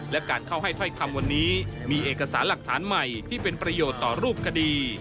และการเข้าให้ถ้อยคำวันนี้มีเอกสารหลักฐานใหม่ที่เป็นประโยชน์ต่อรูปคดี